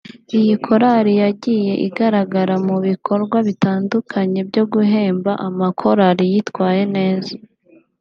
Iyi Korali yagiye igaragara mu bikorwa bitandukanye byo guhemba amakorali yitwaye neza